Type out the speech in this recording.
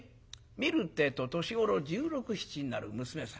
見るってえと年頃十六十七になる娘さん。